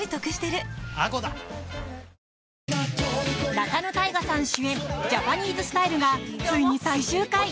仲野太賀さん主演「ジャパニーズスタイル」がついに最終回。